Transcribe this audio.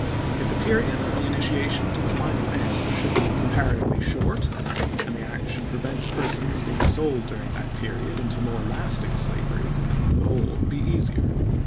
If the period from the initiation to the final end should be comparatively short, and the act should prevent persons being sold during that period into more lasting slavery, the whole would be easier.